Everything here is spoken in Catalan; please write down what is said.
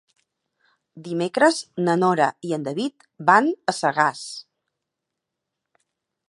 Dimecres na Nora i en David van a Sagàs.